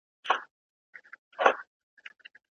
بنده باید تل له الله څخه مرسته وغواړي.